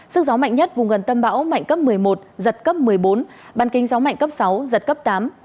sức gió mạnh nhất vùng gần tâm bão mạnh cấp một mươi một giật cấp một mươi bốn bàn kinh gió mạnh cấp sáu giật cấp tám